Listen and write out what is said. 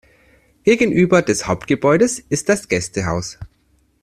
Gegenüber des Hauptgebäudes ist das Gästehaus.